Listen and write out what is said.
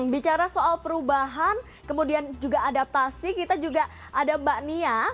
bicara soal perubahan kemudian juga adaptasi kita juga ada mbak nia